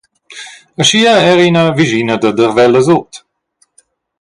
Aschia era ina vischina da Darvella Sut.